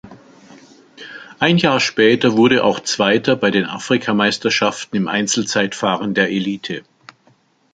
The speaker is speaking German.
Ein Jahr später wurde auch Zweiter bei den Afrikameisterschaften im Einzelzeitfahren der Elite.